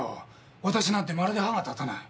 私なんてまるで歯が立たない。